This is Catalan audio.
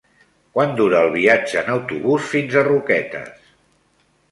Quant dura el viatge en autobús fins a Roquetes?